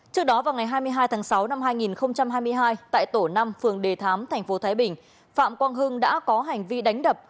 trước đó vào ngày hai mươi hai tháng sáu năm hai nghìn hai mươi hai tại tổ năm phường đề thám tp thái bình phạm quang hưng đã có hành vi đánh đập